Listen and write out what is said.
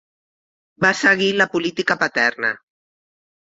Va seguir la política paterna.